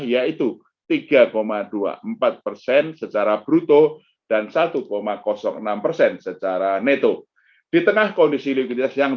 yaitu tiga dua puluh empat persen secara bruto dan satu enam persen secara neto di tengah kondisi likuiditas yang